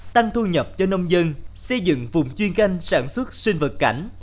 tăng thu nhập cho nông dân xây dựng vùng chuyên canh sản xuất sinh vật cảnh